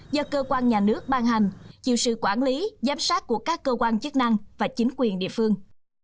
do cơ quan nhà nước ban hành chịu sự quản lý giám sát của các cơ quan chức năng và chính quyền địa phương